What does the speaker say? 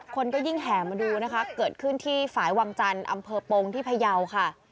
คนก็ยิ่งแห่มาดูนะคะเกิดขึ้นที่ฝ่ายวังจันทร์อำเภอปงที่พยาวค่ะ